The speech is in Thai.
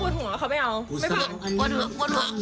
ดูท่าทางฝ่ายภรรยาหลวงประธานบริษัทจะมีความสุขที่สุดเลยนะเนี่ย